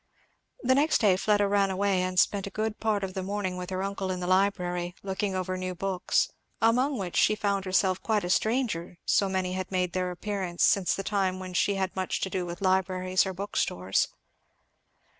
The next day Fleda ran away and spent a good part of the morning with her uncle in the library, looking over new books; among which she found herself quite a stranger, so many had made their appearance since the time when she had much to do with libraries or bookstores.